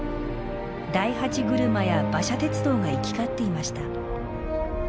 大八車や馬車鉄道が行き交っていました。